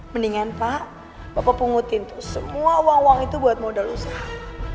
mendingan pak bapak pungutin itu semua uang uang itu buat modal usaha